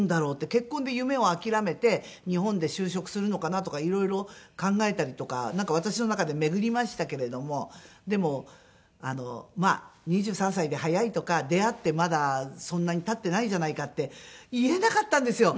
結婚で夢を諦めて日本で就職するのかなとかいろいろ考えたりとかなんか私の中で巡りましたけれどもでもあのまあ２３歳で早いとか出会ってまだそんなに経ってないじゃないかって言えなかったんですよ！